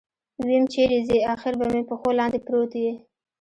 ويم چېرې ځې اخېر به مې پښو لاندې پروت يې.